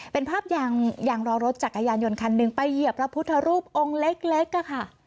เป็นภาพยางรอรถจักรยานยนต์คันหนึ่งไปเหยียบพระพุทธรูปองค์เล็กค่ะ